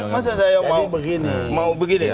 masa saya mau begini